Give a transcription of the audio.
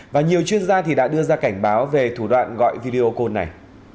và nhiều chuyên gia đã đưa ra cảnh báo về thủ đoạn gọi video call này